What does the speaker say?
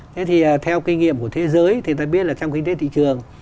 thế thì theo kinh nghiệm của thế giới thì ta biết là trong kinh tế thị trường